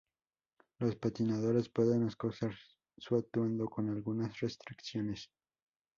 Los patinadores pueden escoger su atuendo, con algunas restricciones.